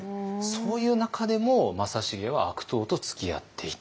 そういう中でも正成は悪党とつきあっていた。